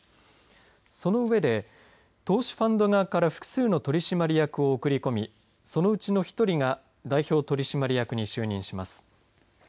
その上で投資ファンド側から複数の取締役を送り込みそのうちの１人が代表取締役に就任します。